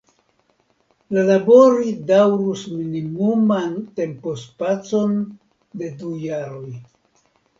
La laboro daŭrus minimuman tempospacon de du jaroj.